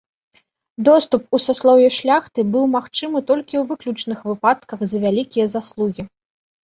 Доступ у саслоўе шляхты быў магчымы толькі ў выключных выпадках за вялікія заслугі.